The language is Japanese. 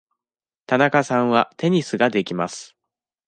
田中さんはテニスができます。